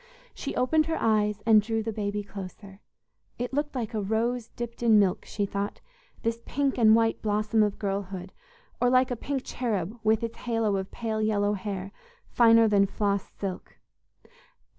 She opened her eyes and drew the baby closer. It looked like a rose dipped in milk, she thought, this pink and white blossom of girlhood, or like a pink cherub, with its halo of pale yellow hair, finer than floss silk.